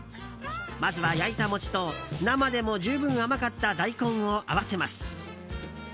まずは焼いた餅と生でも十分甘かった大根を合わせます。